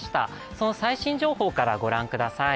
その最新情報からご覧ください。